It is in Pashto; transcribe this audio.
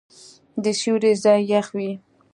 د سیوري ځای یخ وي.